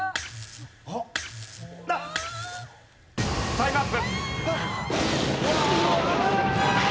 タイムアップ。